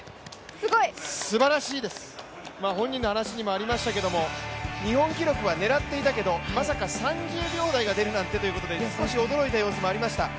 すばらしいです、本人の話にもありましたけれども、日本記録は狙っていたけど、まさか３０秒台が出るなんてということで少し驚いた様子もありました